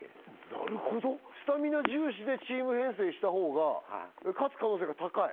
なるほどスタミナ重視でチーム編成した方が勝つ可能性が高い？